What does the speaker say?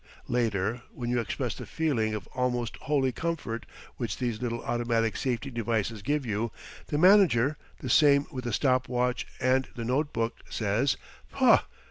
Later, when you express the feeling of almost holy comfort which these little automatic safety devices give you, the manager the same with the stop watch and the note book says, "Puh!